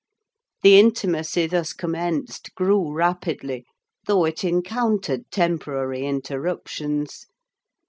The intimacy thus commenced grew rapidly; though it encountered temporary interruptions.